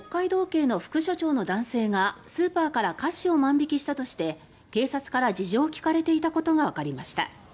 警の副署長の男性がスーパーから菓子を万引きしたとして警察から事情を聴かれていたことがわかりました。